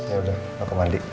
ya udah mau ke mandi